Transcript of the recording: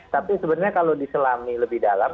tapi sebenarnya kalau diselami lebih dalam